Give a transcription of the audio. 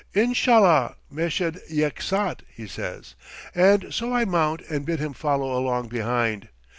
"Inshallah, Meshed yek saat," he says, and so I mount and bid him follow along behind.